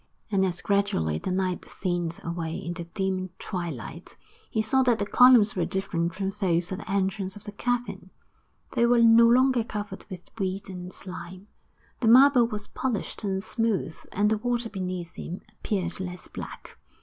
And as gradually the night thinned away into dim twilight, he saw that the columns were different from those at the entrance of the cavern; they were no longer covered with weed and slime, the marble was polished and smooth; and the water beneath him appeared less black.